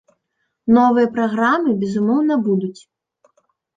Новыя праграмы, безумоўна, будуць.